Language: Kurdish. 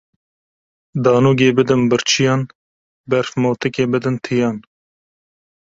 Danûgê bidin birçiyan, berfmotikê bidin tiyan